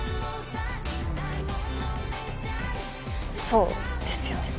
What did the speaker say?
そうですよね？